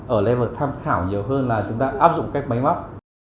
ở level tham khảo nhiều hơn là chúng ta áp dụng cách máy móc